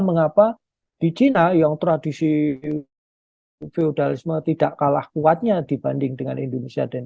kenapa di cina yang tradisi feudalisme tidak kalah kuatnya dibanding dengan indonesia dan